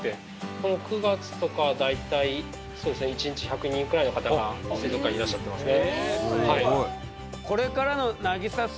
この９月とかは大体そうですね一日１００人くらいの方が水族館にいらっしゃってますね。